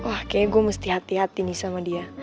wah kayaknya gue mesti hati hati nih sama dia